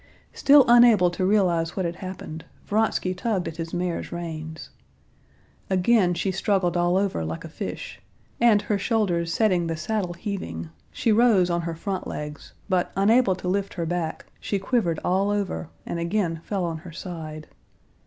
Still unable to realize what had happened, Vronsky tugged at his mare's reins. Again she struggled all over like a fish, and her shoulders setting the saddle heaving, she rose on her front legs but unable to lift her back, she quivered all over and again fell on her side.